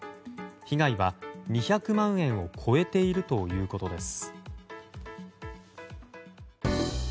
被害は２００万円を超えているということです。